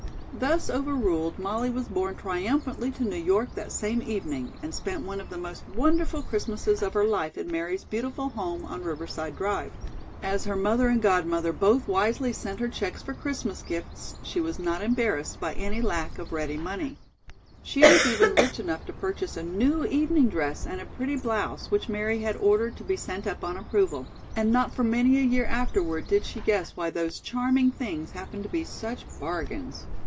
Thus overruled, Molly was borne triumphantly to New York that same evening, and spent one of the most wonderful Christmases of her life in Mary's beautiful home on Riverside Drive. As her mother and godmother both wisely sent her checks for Christmas gifts, she was not embarrassed by any lack of ready money. She was even rich enough to purchase a new evening dress and a pretty blouse which Mary had ordered to be sent up on approval, and not for many a year afterward did she guess why those charming things happened to be such bargains.